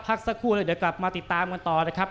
พักสักครู่เดี๋ยวกลับมาติดตามกันต่อนะครับ